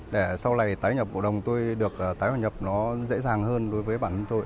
để sau này tái nhập cổ đồng tôi được tái hòa nhập nó dễ dàng hơn đối với bản thân tôi